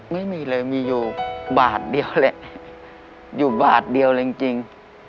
ไม่มีเลยมีอยู่บาทเดียวแหละอยู่บาทเดียวเลยจริง